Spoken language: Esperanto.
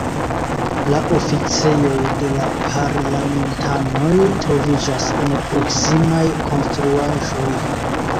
La oficejoj de la parlamentanoj troviĝas en proksimaj konstruaĵoj.